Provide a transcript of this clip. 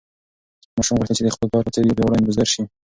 ماشوم غوښتل چې د خپل پلار په څېر یو پیاوړی بزګر شي.